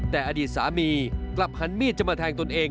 แต่อดีตสามีกลับหันมีดจะมาแทงตนเอง